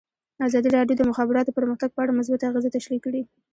ازادي راډیو د د مخابراتو پرمختګ په اړه مثبت اغېزې تشریح کړي.